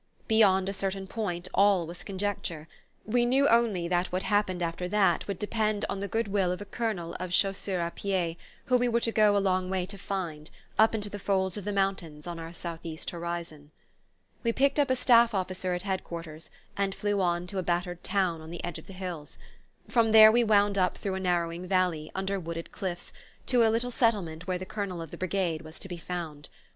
Beyond a certain point all was conjecture we knew only that what happened after that would depend on the good will of a Colonel of Chasseurs a pied whom we were to go a long way to find, up into the folds of the mountains on our southeast horizon. We picked up a staff officer at Head quarters and flew on to a battered town on the edge of the hills. From there we wound up through a narrowing valley, under wooded cliffs, to a little settlement where the Colonel of the Brigade was to be found.